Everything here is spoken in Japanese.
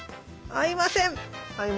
合いません。